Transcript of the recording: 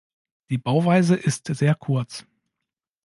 Die Bauweise ist sehr kurz.